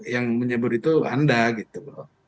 yang menyebut itu anda gitu loh